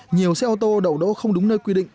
nhiều xe ô tô đậu đỗ không đúng nơi quy định